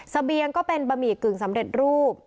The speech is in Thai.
เสบียงก็เป็นบะหมี่กึ่งสำเร็จรูป